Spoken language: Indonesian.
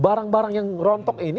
barang barang yang rontok ini